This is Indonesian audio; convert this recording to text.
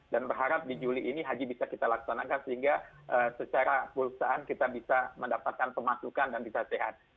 dan berharap di juli ini haji bisa kita laksanakan sehingga secara pulsaan kita bisa mendapatkan pemasukan dan bisa sehat